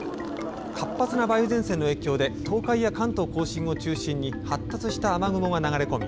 活発な梅雨前線の影響で東海や関東・甲信を中心に発達した雨雲が流れ込み